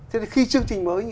thế thì khi chương trình mới